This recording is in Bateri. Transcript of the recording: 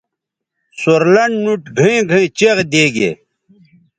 سور لنڈ نُوٹ گھئیں گھئیں چیغ دیگے